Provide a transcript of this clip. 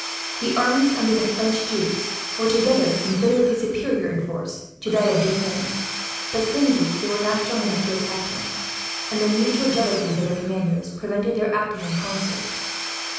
The armies under the French dukes were, together, considerably superior in force to that of Deux Ponts; but singly they were not strong enough to attack him, and the mutual jealousies of their commanders prevented their acting in concert.